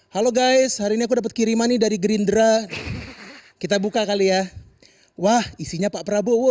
halo guys hari ini aku dapat kirimani dari gerindra kita buka kali ya wah isinya pak prabowo